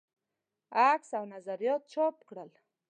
عکس او نظریات چاپ کړل.